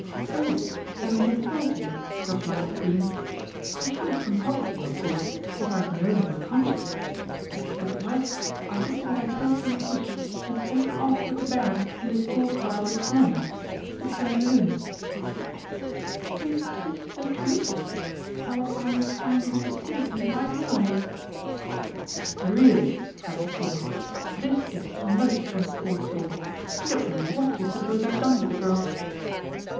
"Oh, haven't they told you?" replied the Queen. "I should have consulted you, of course, if I had known you were conscious; but, as it was, I did what I thought you would wish and sent her off with the Baron in the stork car this morning to Clairdelune." "Is this the truth or are you trying to deceive me by lies?" "Really!" cried the Queen, "this is most uncalled for! I don't know what you suppose I've done with the girl?"